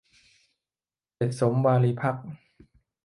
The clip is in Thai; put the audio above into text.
เพจสมวารีพักตร์